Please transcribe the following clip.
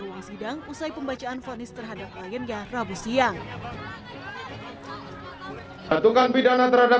ruang sidang usai pembacaan vanis terhadap lainnya rabu siang atukan pidana terhadap